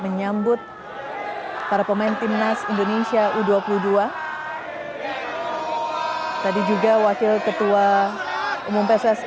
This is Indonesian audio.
menyambut car pops ce mario indonesia u dua puluh dua hai hai hai tadi juga wakil ketua umum pssi jad foreheady